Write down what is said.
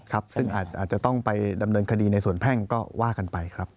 ซึ่งอาจจะต้องไปดำเนินคดีในส่วนแพ่งก็ว่ากันไปครับ